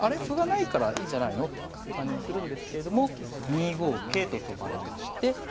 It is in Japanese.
歩がないからいいんじゃないのという感じもするんですけれども２五桂と跳ばれまして。